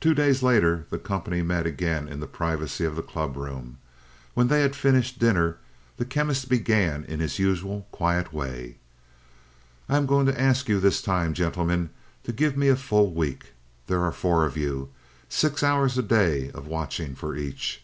Two days later the company met again in the privacy of the clubroom. When they had finished dinner, the Chemist began in his usual quiet way: "I am going to ask you this time, gentlemen, to give me a full week. There are four of you six hours a day of watching for each.